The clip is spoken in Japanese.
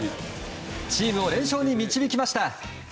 チームを連勝に導きました。